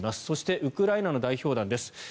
そしてウクライナの代表団です。